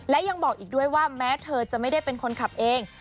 และยังบอกอีกด้วยว่าแม้เธอจะไม่ได้เป็นคนขับเอง